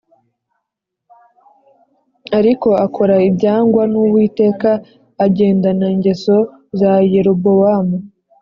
Ariko akora ibyangwa n’Uwiteka agendana ingeso za Yerobowamu